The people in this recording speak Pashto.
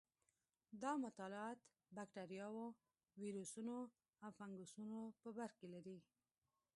دا مطالعات بکټریاوو، ویروسونو او فنګسونو په برکې لري.